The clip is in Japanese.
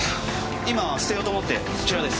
今捨てようと思ってこちらです。